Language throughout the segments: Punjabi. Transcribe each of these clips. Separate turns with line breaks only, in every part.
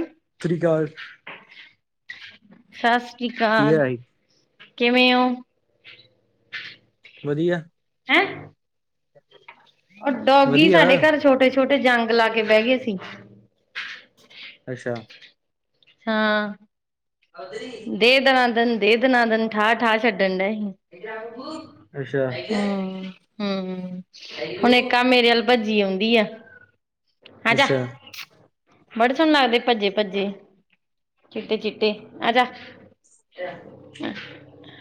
ਸਤਿ ਸ਼੍ਰੀ ਅਕਾਲ।
ਸਤਿ ਸ਼੍ਰੀ
ਕੀ
ਅਕਾਲ,
ਹਾਲ ਈ?
ਕਿਵੇਂ ਹੋ।
ਵਧੀਆਂ।
ਹੈਂ। ਉਹ ਡੋਗੀ
ਵਧੀਆ
ਸਾਡੇ ਘਰ, ਛੋਟੇ -ਛੋਟੇ ਜੰਗ ਲਾ ਕੇ, ਬਹਿ ਗਏ ਸੀ।
ਅੱਛਾ।
ਹਾਂ, ਦੇ ਦਣਾਦਨ, ਦੇ ਦਣਾਦਨ, ਠਾਹ -ਠਾਹ, ਛੱਡਣ ਦਈ ਸੀ।
ਅੱਛਾ ਅੱਛਾ
ਹਮ। ਹਮ -ਹਮ, ਹੁਣ ਇੱਕ ਕੰਮ ਮੇਰੇ ਵੱਲ ਭੱਜੀ ਆਉਦੀ ਆ ਆਜਾ,
ਅੱਛਾ
ਬੜੇ ਸੋਹਣੇ ਲੱਗਦੀ ਭੱਜੇ- ਭੱਜੇ ਚਿੱਟੇ- ਚਿੱਟੇ, ਆਜਾ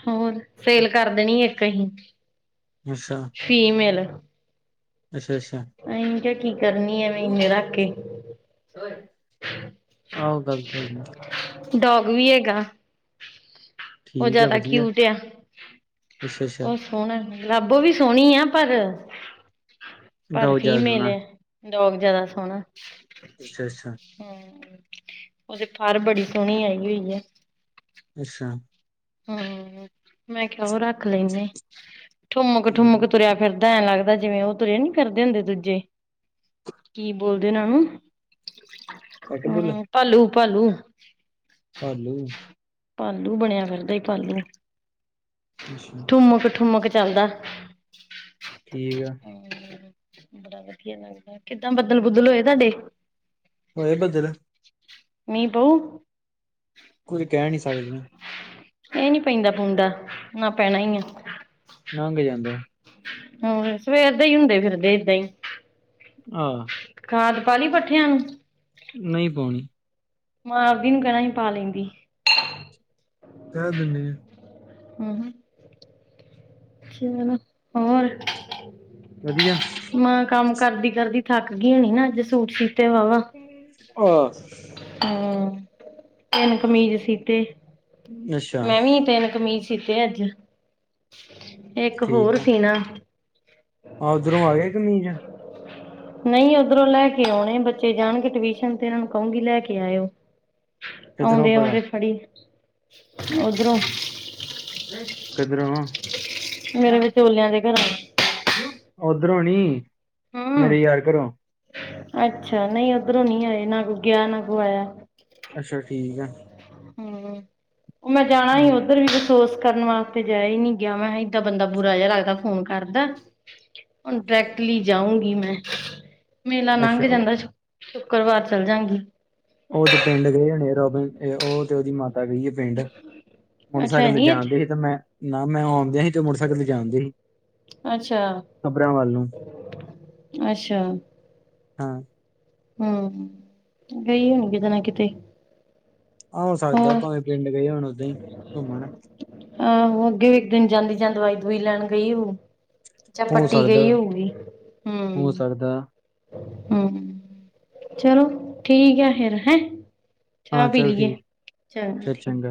ਹੋਰ, ਸੇਲ ਕਰ ਦੇਣੀ ਇੱਕ ਅਹੀ
ਜੱਛਾ
ਫੀਮੇਲ
ਅੱਛਾ
ਇਹੀ ਕਿਹਾ, ਕੀ ਕਰਨੀ ਆਵੇ ਇੰਨੇ ਰੱਖ ਕੇ
ਆੳ ਦੱਸ ਹੈਗੀ
ਡੋਗ ਵੀ ਹੈਗਾ ਉਹ
ਠੀਕ ਆ
ਜ਼ਿਆਦਾ
ਵਧੀਆ
ਕੀਊਟ ਆ,
ਅੱਛਾ ਅੱਛਾ
ਉਹ ਸੋਹਣਾ, ਰੱਬੋ ਵੀ ਸੋਹਣੀ ਆ, ਪਰ ਪਰ
ਗਾਓ ਜ਼ਿਆਦਾ
ਫੀਮੇਲ
ਸੋਹਣਾ
ਆ, ਡੋਗ ਜਿਆਦਾ ਸੋਹਣਾ
ਅੱਛਾ- ਅੱਛਾ
ਹਮ, ਉਹਦੇ ਫਰ ਬੜੀ ਸੋਹਣੀ ਆਈ ਹੋਈ ਹੈ
ਅੱਛਾ
ਹਮ, ਮੈਂ ਕਿਹਾ ਉਹ ਰੱਖ ਲੈਂਦੇੇ, ਠੁੰਮਕ-
ਠੀਕ ਆ
ਠੁੰਮਕ ਤੁਰਿਆ ਫਿਰਦਾ ਐਂ ਲੱਗਦਾ ਜਿਵੇ ਉਹ ਤੁਰਿਆ ਨੀ ਫਿਰਦੇ ਹੁੰਦੇ ਦੂਜੇ, ਕੀ ਬੋਲਦੇ ਉਹਨਾਂ ਨੂੰ
ਪੈਟਬੁਲ
ਹੂੰ, ਭਾਲੂ-ਭਾਲੂ।
ਭਾਲੂ।
ਭਾਲੂ ਬਣਿਆ ਫਿਰਦਾ, ਭਾਲੂ।
ਅੱਛਾ।
ਠੁੰਮਕ-ਠੁੰਮਕ ਚੱਲਦਾ।
ਠੀਕ ਆ।
ਬੜਾ ਵਧੀਆ ਲੱਗਦਾ, ਕਿੱਦਾਂ ਬੱਦਲ-ਬੁਦਲ ਹੋਏ ਤੁਹਾਡੇ?
ਹੋਏ ਬੱਦਲ?
ਮੀਂਹ ਪਊ?
ਕੁਝ ਕਹਿਨੀ ਸਕਦੇ।
ਇਹ ਨੀ ਪੈਂਦਾ-ਪੂੰਦਾ, ਨਾ ਪੈਣਾ ਈਆ।
ਨੰਘ ਜਾਂਦਾ।
ਹੋਰ, ਸਵੇਰ ਦੇ ਈ ਹੁੰਦੇ ਫਿਰਦੇ ਏਦਾਂ ਹੀ।
ਆ।
ਖਾਦ ਪਾਲਈ ਪੱਠਿਆਂ ਨੂੰ?
ਨਹੀ ਪਾਉਣੀ।
ਮਾਂ ਆਪਦੀ ਨੂੰ ਕਹਿਣਾ ਹੀ ਪਾ ਲੇਂਦੀ।
ਕਹਿ ਦਿੰਨੇ ਆਂ।
ਹੂੰ, ਹੂੰ ਚੱਲੋ, ਹੋਰ?
ਵਧੀਆ।
ਮਾਂ ਕੰਮ ਕਰਦੀ-ਕਰਦੀ ਥੱਕ ਗਈ ਹੋਣੀ ਨਾ, ਅੱਜ ਸੂੱਟ ਸੀਤੇ ਵਾਵਾ।
ਆਹ
ਹੂੰ, ਤਿੰਨ ਕਮੀਜ਼ ਸੀਤੇ।
ਅੱਛਾ
''ਮੈਂ ਵੀ ਤਿੰਨ ਕਮੀਜ਼ ਸੀਤੇ ਅੱਜ, ਇੱਕ ਹੋਰ ਸੀਣਾ।
ਓਧਰੋ ਆ ਗਏ ਕਮੀਜ਼?
ਨਹੀਂ ਉਧਰੋਂ ਲੈਕੇ ਆਉਣੇ, ਬੱਚੇ ਜਾਣਗੇ ਟਿਵਊਸ਼ਨ ਤੇ ਇਹਨਾਂ ਨੂੰ ਕਹੂੰਗੀ ਲੈਕੇ ਆਇੳ।
ਕਿੱਧਰੋਂ ਭਲਾ
ਆਉਂਦੇ-ਆਉਂਦੇ ਫੜੀ, ਉਧਰੋਂ।
ਕਿਧਰੋਂ?
ਮੇਰੇ ਵਿਚੋਲਿਆਂ ਦੇ ਘਰੋ।
ਉਧਰੋ ਨੀ,
ਹੂੰ
ਮੇਰੇ ਯਾਰ ਘਰੋਂ।
ਅੱਛਾ, ਨਹੀਂ ਉਧਰੋਂ ਨੀ ਆਏ ਨਾ ਕੋਈ ਗਿਆ, ਨਾ ਕੋਈ ਆਇਆ।
ਅੱਛਾ ਠੀਕ ਆ
ਹੂੰ, ਮੈਂ ਜਾਣਾ ਹੀ
ਹਮ,
ਉੱਧਰ ਵੀ ਫਸੋਸ ਕਰਨ ਵਾਸਤੇ। ਜਾਏਆ ਈ ਨੀ ਗਿਆ, ਮੈਂਹਾ ਏਦਾਂ ਬੰਦਾ ਬੁਰਾ ਜੇਆ ਲੱਗਦਾ ਫੋਨ ਕਰਦਾ, ਹੁਣ ਡੈਰੈਕਟਲੀ ਉਂਗੀ ਮੈਂ, ਮੇਲਾ ਨੰਗ
ਅੱਛਾ ਉਹ
ਜਾਂਦਾ ਸ਼ੁੱਕ, ਸ਼ੁੱਕਰਵਾਰ ਚੱਲ ਜਾਂਗੀ।
ਓ ਤੇ ਪਿੰਡ ਗੇ ਹੋਣੇ ਆ ਰੋਬਿਨ ਏ, ਓ ਤੇ ਓਦੀ ਮਾਤਾ ਗਈ ਆ ਪਿੰਡ।
ਅੱਛਾ ਹੈ
ਮੋਟਰਸੈਕਲ ਤੇ
ਨੀ ਇੱਥੇ
ਜਾਣਦੇ ਹੀ ਤੇ ਮੈਂ, ਨਾ ਮੈਂ ਔਨਦੇ ਹੀ ਤੇ ਮੋਟਰਸੈਕਲ ਤੇ ਜਾਣਦੇ ਈ, ਖਬਰੇਆਂ ਵੱਲ ਨੂੰ।
ਅੱਸ਼ਾ।
ਹਾਂ
ਹੂੰ-ਹੂੰ, ਗਈ ਹੁਣੀ ਕਿਤੇ ਨਾ ਕਿਤੇ।
ਆਂ ਹੋ ਸਕਦਾ
ਹੋਰ
ਭਾਵੇਂ ਪਿੰਡ ਗਏ ਹੁਣ ਓਦਾਂ ਈ, ਘੁੰਮਣ।
ਆਹੋ, ਅੱਗੇ ਵੀ ਇੱਕ ਦਿਨ ਜਾਂਦੀ ਜਾਂ ਦਵਾਈ-ਦੁਵਾਈ ਲੈਣ ਗਈ ਹੋਉ। ਜਾਂ
ਹੋ
ਪੱਟੀ ਗਈ
ਸਕਦਾ
ਹੋਊਗੀ, ਹੂੰ
ਹੋ ਸਕਦਾ
ਹੂੰ, ਚਲੋ ਠੀਕ ਐ ਫੇਰ ਹੈਂ? ਚਾਹ
ਹਾਂ
ਪੀ
ਚਲੋ
ਲੀਏ,
ਠੀਕ।
ਚਲੋ
ਚਲ
ਠੀਕ।
ਚੰਗਾ